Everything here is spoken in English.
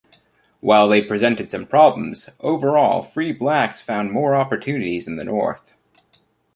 While they presented some problems, overall free blacks found more opportunities in the North.